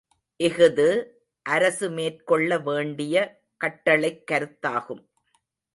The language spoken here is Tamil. இஃது, அரசு மேற்கொள்ள வேண்டிய கட்டளைக் கருத்தாகும்.